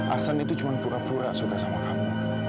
aksan itu cuma pura pura suka sama kamu